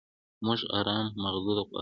موږ ارام ماغزه غواړو.